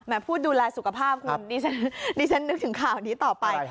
พูดดูแลสุขภาพคุณดิฉันนึกถึงข่าวนี้ต่อไป